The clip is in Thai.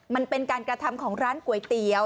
มันเป็นการกระทำของร้านก๋วยเตี๋ยว